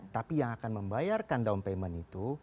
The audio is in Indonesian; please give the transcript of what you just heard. tapi yang akan membayarkan down payment itu